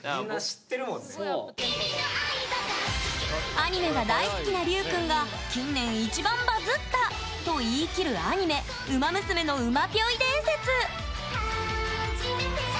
アニメが大好きな龍君が近年いちばんバズッたと言い切るアニメ「ウマ娘」の「うまぴょい伝説」。